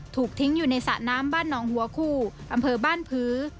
ถูกทิ้งอยู่ในสระน้ำบ้านหนองหัวคู่อำเภอบ้านพื้อ